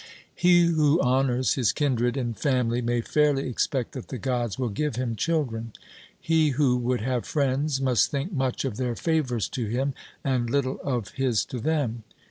He who honours his kindred and family may fairly expect that the Gods will give him children. He who would have friends must think much of their favours to him, and little of his to them.